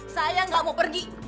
saya gak mau pergi